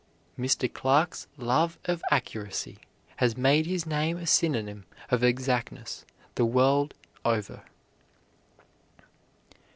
Mr. Clark's love of accuracy has made his name a synonym of exactness the world over.